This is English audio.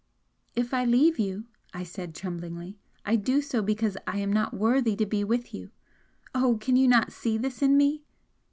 "If I leave you," I said, tremblingly "I do so because I am not worthy to be with you! Oh, can you not see this in me?"